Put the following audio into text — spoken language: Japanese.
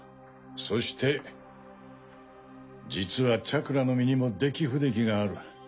そして実はチャクラの実にも出来不出来がある。